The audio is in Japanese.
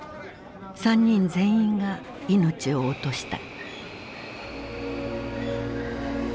３人全員が命を落とした。